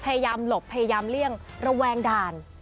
พยายามหลบพยายามเลี่ยงแหลวงด่าน